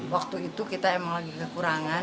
waktu itu kita emang lagi kekurangan